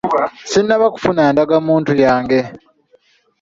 Sinnaba kufuna ndagamuntu yange.